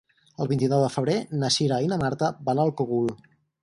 El vint-i-nou de febrer na Cira i na Marta van al Cogul.